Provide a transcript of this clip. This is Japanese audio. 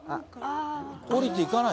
降りていかない？